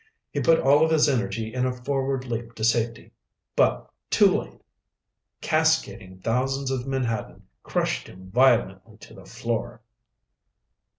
He put all of his energy in a forward leap to safety, but too late! Cascading thousands of menhaden crushed him violently to the floor.